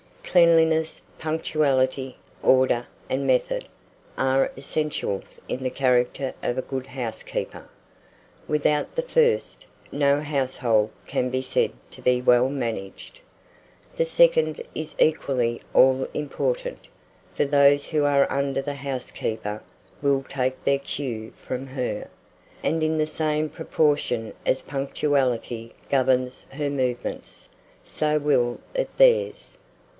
Cleanliness, punctuality, order, and method, are essentials in the character of a good housekeeper. Without the first, no household can be said to be well managed. The second is equally all important; for those who are under the housekeeper will take their "cue" from her; and in the same proportion as punctuality governs her movements, so will it theirs.